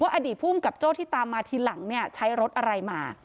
อดีตภูมิกับโจ้ที่ตามมาทีหลังใช้รถอะไรมา